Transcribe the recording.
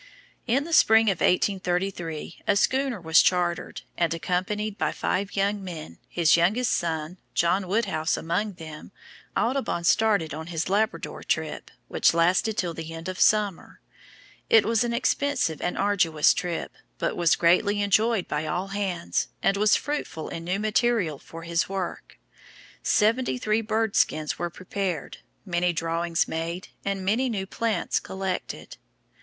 In the spring of 1833, a schooner was chartered and, accompanied by five young men, his youngest son, John Woodhouse, among them, Audubon started on his Labrador trip, which lasted till the end of summer. It was an expensive and arduous trip, but was greatly enjoyed by all hands, and was fruitful in new material for his work. Seventy three bird skins were prepared, many drawings made, and many new plants collected.